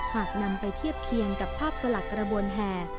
หากนำไปเทียบเคียงกับภาพสลักกระบวนแห่